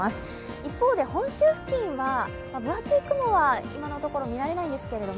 一方で本州付近は分厚い雲は今のところ見られないんですけれども